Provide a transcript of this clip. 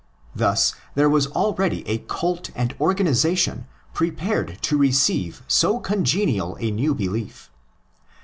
Thus there was already a cult and organisation prepared to receive so congenial a new belief.